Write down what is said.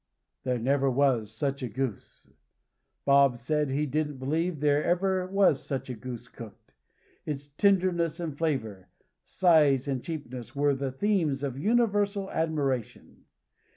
There never was such a goose. Bob said he didn't believe there ever was such a goose cooked. Its tenderness and flavor, size and cheapness, were the themes of universal admiration.